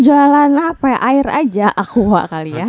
jualan apa ya air aja aqua kali ya